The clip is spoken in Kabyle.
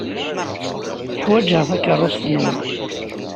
Ḥwajeɣ takeṛṛust-nwen.